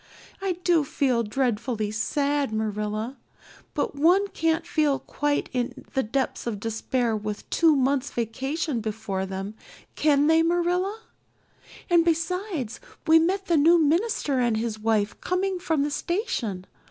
I do feel dreadfully sad, Marilla. But one can't feel quite in the depths of despair with two months' vacation before them, can they, Marilla? And besides, we met the new minister and his wife coming from the station.